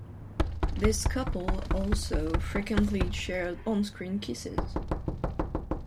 This couple also frequently shared on screen kisses.